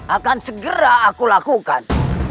akan segera aku lakukan